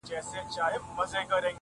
چي پاچا سو انتخاب فیصله وسوه-